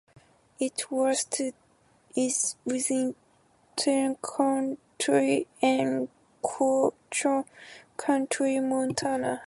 Its watershed is within Teton County and Chouteau County, Montana.